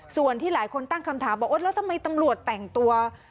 ส่วนที่หลายคนตั้งคำถามบอกโอ๊ยแล้วทำไมตำรวจแต่งตัว